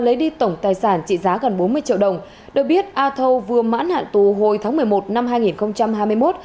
lấy đi tổng tài sản trị giá gần bốn mươi triệu đồng được biết a thâu vừa mãn hạn tù hồi tháng một mươi một năm